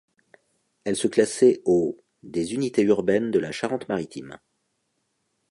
Elle se classait au des unités urbaines de la Charente-Maritime.